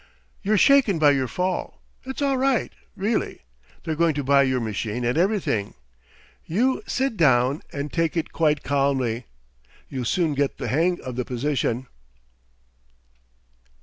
You're shaken by your fall. It's all right, really. They're going to buy your machine and everything. You sit down, and take it quite calmly. You'll soon get the hang of the position."